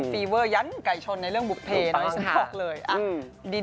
ฟีเวอร์ยังไก่ชนในเรื่องบุภเพน้อยสักครั้งเลย